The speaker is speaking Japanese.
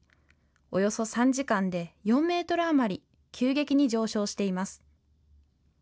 およそ３時間で４メートル余り、急激に上昇しています。